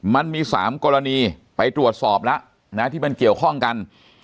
มันมี๓กรณีไปตรวจสอบแล้วนะที่มันเกี่ยวข้องกัน